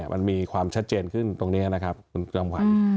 มันมีความชัดเจนขึ้นตรงนี้นะครับคุณจำขวัญ